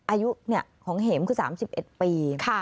อายุของเห็มคือ๓๑ปี